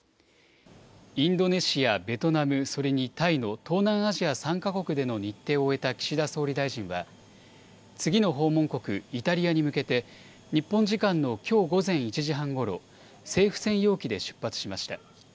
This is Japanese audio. インドネシア、ベトナム、それにタイの東南アジア３か国での日程を終えた岸田総理大臣は、次の訪問国、イタリアに向けて、日本時間のきょう午前１時半ごろ、政府専用機で出発しました。